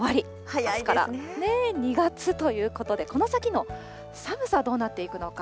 あすから２月ということで、この先の寒さ、どうなっていくのか。